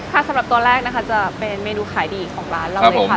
สำหรับตัวแรกนะคะจะเป็นเมนูขายดีของร้านเราเลยค่ะ